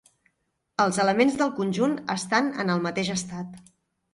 Els elements del conjunt estan en el mateix estat.